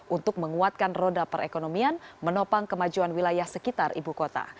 untuk menguatkan roda perekonomian menopang kemajuan wilayah sekitar ibu kota